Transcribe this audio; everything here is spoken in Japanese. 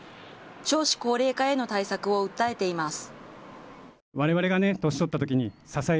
少子高齢化への対策を訴えています。